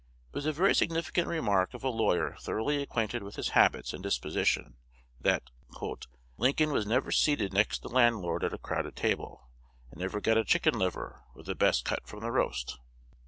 It was a very significant remark of a lawyer thoroughly acquainted with his habits and disposition, that "Lincoln was never seated next the landlord at a crowded table, and never got a chicken liver or the best cut from the roast."